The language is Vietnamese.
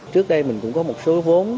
trước đây mình cũng có một số vốn